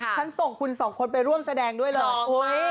ฉันส่งคุณสองคนไปร่วมแสดงด้วยเลย